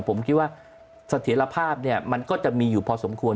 ผมคิดว่าเสถียรภาพมันก็จะมีอยู่พอสมควร